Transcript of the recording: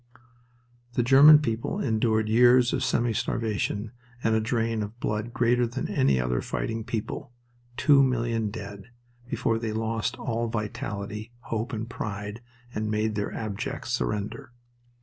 The German people endured years of semi starvation and a drain of blood greater than any other fighting people two million dead before they lost all vitality, hope, and pride and made their abject surrender.